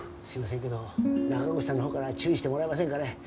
すいませんけど中越さんのほうから注意してもらえませんかね？